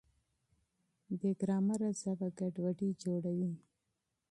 بې ګرامره ژبه ګډوډي جوړوي.